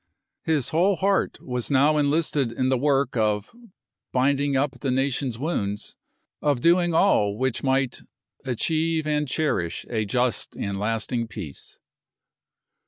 His whole heart was now enlisted in the work of "binding up the nation's wounds," of doing all which might "achieve and cherish a just and lasting peace."